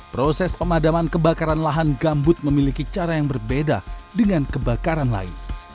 proses pemadaman kebakaran lahan gambut memiliki cara yang berbeda dengan kebakaran lain